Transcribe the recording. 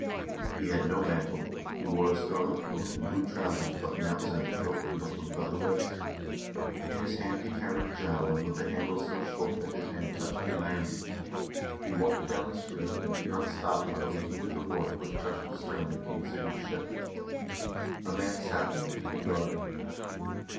He had no mantle, he wore a scarlet coat and blue trousers buttoned outside the coat and buckled about the waist ; in his hand he carried a javelin with a handle so short that 330 HISTORY OF THE NORWEGIAN PEOPLE his hand touched the iron. He walked down the street, and did not stop until he came to the wharf which touched the stern of King Sigurd's ship. A man sat there keeping guard.